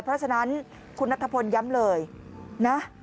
เพราะฉะนั้นคุณนัทพลย้ำเลยนะ